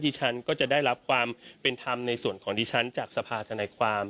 ฉันก็จะได้รับความเป็นธรรมในส่วนของดิฉันจากสภาธนายความ